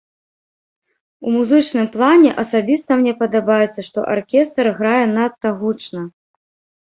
У музычным плане асабіста мне падаецца, што аркестр грае надта гучна.